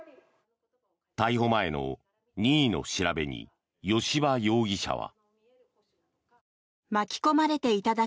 逮捕前の任意の調べに吉羽容疑者は。